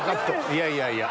いやいやいや。